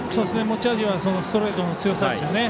持ち味はストレートの強さですよね。